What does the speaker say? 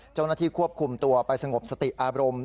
เจ้าหน้าที่ควบคุมตัวไปสงบสติอารมณ์